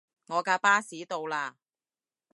我架巴士到喇